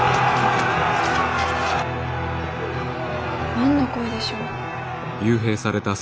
何の声でしょう？